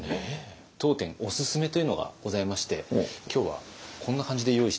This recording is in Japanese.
当店おすすめというのがございまして今日はこんな感じで用意してみました。